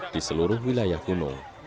di seluruh wilayah gunung